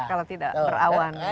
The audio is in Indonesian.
kalau tidak berawan